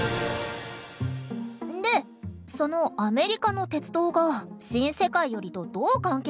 でそのアメリカの鉄道が「新世界より」とどう関係があるの？